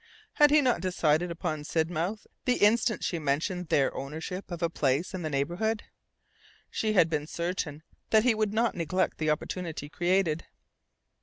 Had he not decided upon Sidmouth the instant she mentioned their ownership of a place in the neighbourhood? She had been certain that he would not neglect the opportunity created.